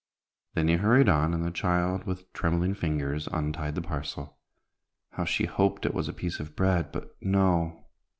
Then he hurried on, and the child, with trembling fingers, untied the parcel. How she hoped it was a piece of bread; but no!